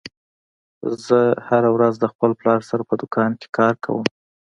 زه هره ورځ د خپل پلار سره په دوکان کې کار کوم